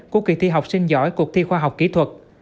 của kỳ thi học sinh giỏi cuộc thi khoa học kỹ thuật